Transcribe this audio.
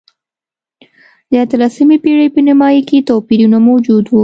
د اتلسمې پېړۍ په نییمایي کې توپیرونه موجود و.